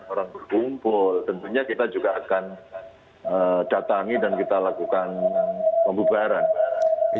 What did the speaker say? orang berkumpul tentunya kita juga akan datangi dan kita lakukan pembubaran